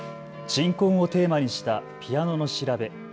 鎮魂をテーマにしたピアノの調べ。